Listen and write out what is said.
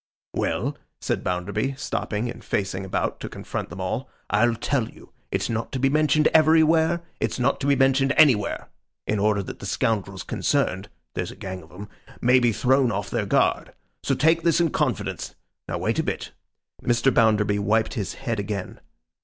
'Well,' said Bounderby, stopping and facing about to confront them all, 'I'll tell you. It's not to be mentioned everywhere; it's not to be mentioned anywhere: in order that the scoundrels concerned (there's a gang of 'em) may be thrown off their guard. So take this in confidence. Now wait a bit.' Mr. Bounderby wiped his head again.